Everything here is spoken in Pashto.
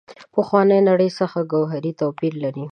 پخوانۍ نړۍ څخه ګوهري توپیر لري.